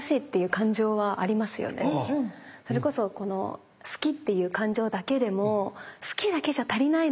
それこそ好きっていう感情だけでも好きだけじゃ足りないのに！